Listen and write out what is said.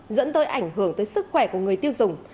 dẫn tới ảnh hưởng tới sức khỏe của người tiêu dùng